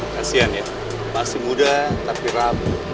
kasian ya masih muda tapi rabu